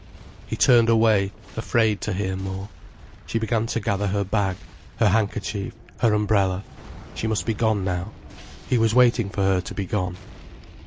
He turned away, afraid to hear more. She began to gather her bag, her handkerchief, her umbrella. She must be gone now. He was waiting for her to be gone.